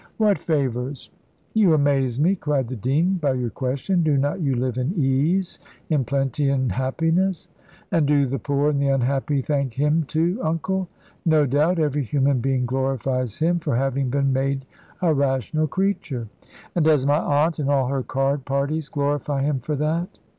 "What favours?" "You amaze me," cried the dean, "by your question. Do not you live in ease, in plenty, and happiness?" "And do the poor and the unhappy thank Him too, uncle?" "No doubt; every human being glorifies Him, for having been made a rational creature." "And does my aunt and all her card parties glorify Him for that?"